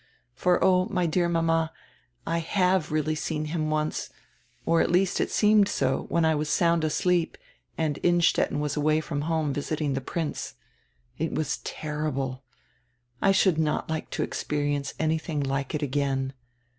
For oh, my dear mama, I have really seen him once, or it at least seemed so, when I was sound asleep and Innstetten was away from home visiting die Prince. It was terrible. I should not like to experi ence anything like it again.